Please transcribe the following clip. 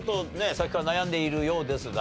さっきから悩んでいるようですが。